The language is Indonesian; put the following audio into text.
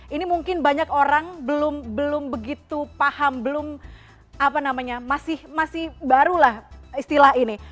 ini mungkin banyak orang belum begitu paham belum apa namanya masih baru lah istilah ini